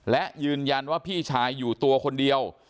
และยืนยันว่าพี่ชายอยู่ตัวคนเดียว